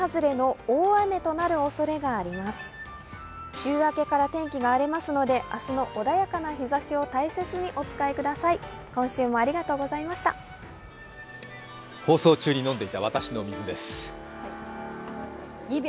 週明けから天気が荒れますので、明日の穏やかな日ざしを大切にお使いください。